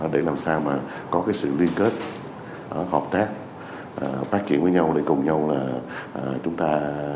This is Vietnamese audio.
để làm sao mà có cái sự liên kết hợp tác phát triển với nhau để cùng nhau là chúng ta